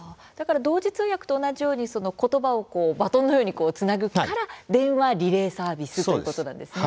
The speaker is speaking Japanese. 同時通訳と同じようにことばをバトンのようにつなぐから電話リレーサービスということですね。